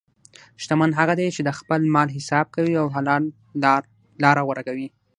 شتمن هغه دی چې د خپل مال حساب کوي او حلال لاره غوره کوي.